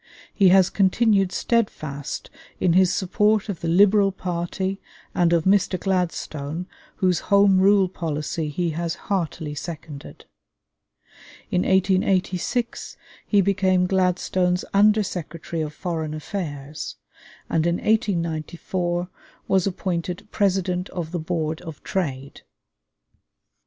He has continued steadfast in his support of the Liberal party and of Mr. Gladstone, whose Home Rule policy he has heartily seconded. In 1886 he became Gladstone's Under Secretary of Foreign Affairs, and in 1894 was appointed President of the Board of Trade.